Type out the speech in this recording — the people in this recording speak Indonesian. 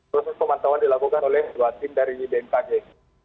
proses pemantauan dilakukan oleh dua tim dari bmkg